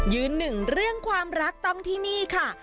ยืนหนึ่งเรื่องความรักต้องที่นี่ค่ะ